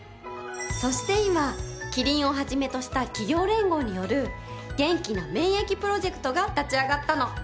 そして今キリンを始めとした企業連合によるげんきな免疫プロジェクトが立ち上がったの。